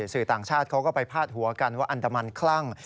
สื่อต่างชาติเขาก็ไปพาดหัวกันว่าอันดามันคลั่ง